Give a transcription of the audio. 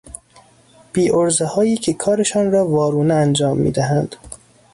بیعرضههایی که کارشان را وارونه انجام میدهند